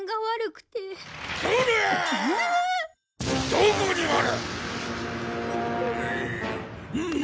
どこにおる！？